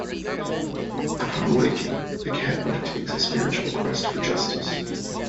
Upon waking, the cat undertakes a spiritual quest for justice.